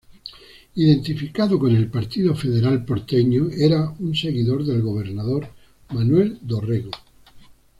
Identificado con el partido federal porteño, era un seguidor del gobernador Manuel Dorrego.